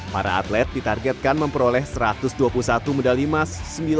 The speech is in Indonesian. para atlet ditargetkan memperoleh satu ratus dua puluh satu medali emas